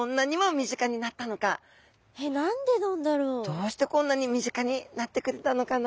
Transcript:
どうしてこんなに身近になってくれたのかな。